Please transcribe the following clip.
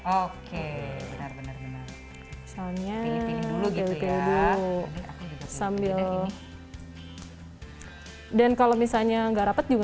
oke benar benar asalnya pilih pilih dulu gitu ya sambil ini dan kalau misalnya nggak rapat juga